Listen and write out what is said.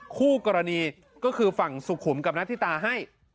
คู่กรณีก็คือฝั่งสุขุมกับนัทธิตาให้